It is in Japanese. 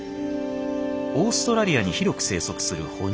オーストラリアに広く生息するほ乳類。